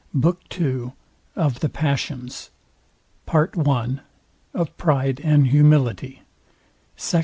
BOOK II OF THE PASSIONS PART I OF PRIDE AND HUMILITY SECT.